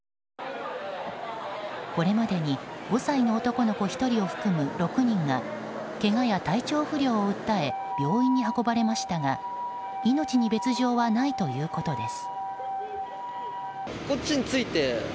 これまでに５歳の男の子１人を含む６人がけがや体調不良を訴え病院に運ばれましたが命に別条はないということです。